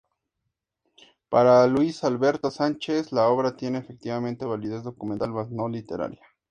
Para Luis Alberto Sánchez, la obra tiene, efectivamente, validez documental, más no literaria.